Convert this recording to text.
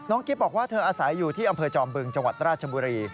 กิ๊บบอกว่าเธออาศัยอยู่ที่อำเภอจอมบึงจังหวัดราชบุรี